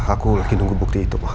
aku lagi nunggu bukti itu